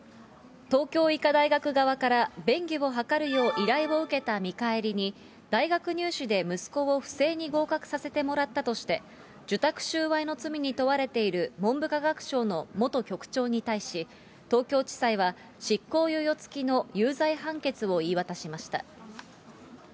東京医科大学側から便宜を図るよう依頼を受けた見返りに、大学入試で息子を不正に合格させてもらったとして、受託収賄の罪に問われている文部科学省の元局長に対し、東京地裁は、執行猶予付きの有罪判決を言い渡しました。